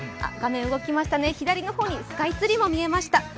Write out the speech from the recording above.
画面動きましたね、左の方にスカイツリーも見えました。